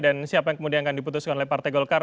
dan siapa yang kemudian akan diputuskan oleh partai golkar